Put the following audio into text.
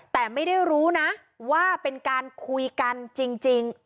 แต่ไม่ได้รู้นะว่าเป็นการคุยกันจริง